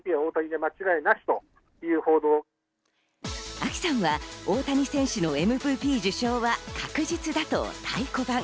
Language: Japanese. ＡＫＩさんは大谷選手のＭＶＰ受賞は確実だと太鼓判。